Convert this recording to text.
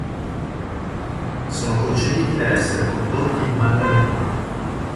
Sono concepiti per essere condotti manualmente.